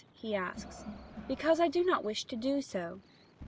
he asks. "Because I don't wish to do so."